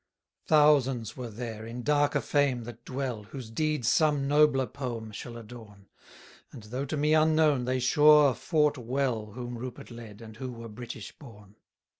176 Thousands were there in darker fame that dwell, Whose deeds some nobler poem shall adorn: And, though to me unknown, they sure fought well Whom Rupert led, and who were British born.